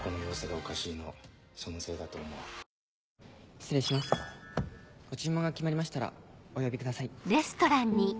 失礼しますご注文が決まりましたらお呼びください。